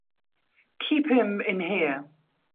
Keep him in here!